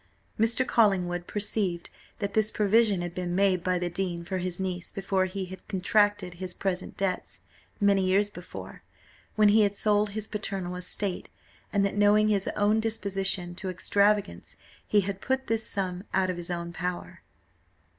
Mr. Collingwood perceived that this provision had been made by the dean for his niece before he had contracted his present debts many years before, when he had sold his paternal estate, and that knowing his own disposition to extravagance, he had put this sum out of his own power.